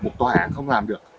một tòa án không làm được